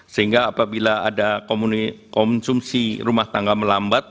sehingga apabila ada konsumsi rumah tangga melambat